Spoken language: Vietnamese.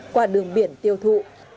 qua đường biển tiêu thụ